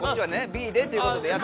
Ｂでということでやって。